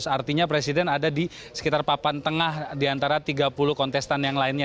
artinya presiden ada di sekitar papan tengah di antara tiga puluh kontestan yang lainnya